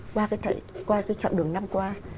qua cái chặng đường năm qua